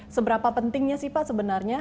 seberapa pentingnya sih pak sebenarnya